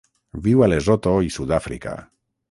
Viu a Lesotho i Sud-àfrica.